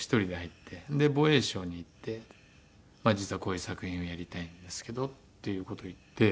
で防衛省に行って実はこういう作品をやりたいんですけどっていう事を言って。